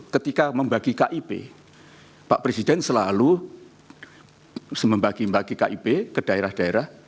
ketika membagi kip pak presiden selalu membagi bagi kip ke daerah daerah